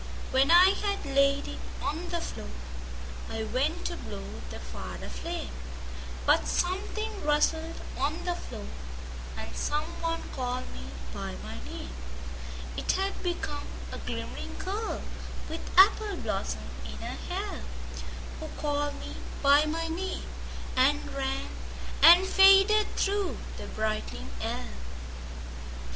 When I had laid it on the floorI went to blow the fire a flame, But something rustled on the floor, And someone called me by my name:It had become a glimmering girlWith apple blossom in her hairWho called me by my name and ranAnd faded through the brightening air.